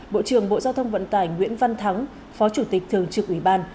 bộ trưởng bộ giao thông vận tải nguyễn văn thắng phó chủ tịch thường trực ủy ban